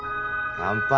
乾杯。